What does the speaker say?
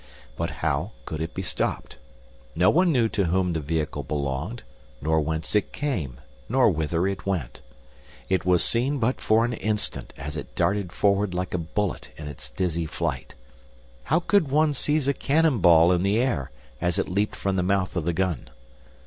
But how could it be stopped? No one knew to whom the vehicle belonged, nor whence it came, nor whither it went. It was seen but for an instant as it darted forward like a bullet in its dizzy flight. How could one seize a cannon ball in the air, as it leaped from the mouth of the gun?